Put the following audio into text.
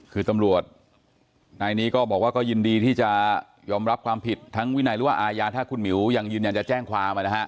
คือตำรวจนายนี้ก็บอกว่าก็ยินดีที่จะยอมรับความผิดทั้งวินัยหรือว่าอาญาถ้าคุณหมิวยังยืนยันจะแจ้งความ